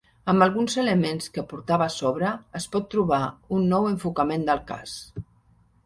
Amb alguns elements que portava a sobre, es pot trobar un nou enfocament del cas.